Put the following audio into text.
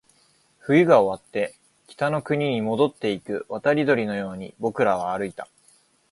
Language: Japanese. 冬が終わって、北の国に戻っていく渡り鳥のように僕らは歩いた